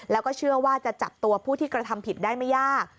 แล้วก็เชื่อว่าจะจับตัวผู้ที่กระทำผิดได้ไม่ยาก